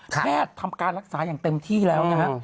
ทำการรักษาอย่างเต็มที่แล้วนะฮะ